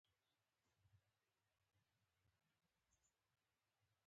دوی پر اوښانو خپل لوازم له یوه ځایه بل ته نه وړي.